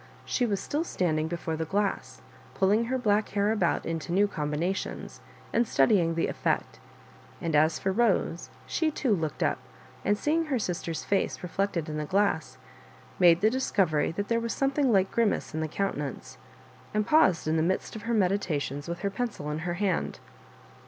She was still standing before ihe glass pulling her black hair about into new combinations, and studying the effect; and as for Bose, she too looked up, and, seeing her sister's face reflected in the glass, made the discovery that there was something like grimace in the countenance, and paused in the midst of her meditations with her pencil in her hand.